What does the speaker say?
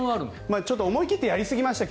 ちょっと思い切ってやりすぎましたが。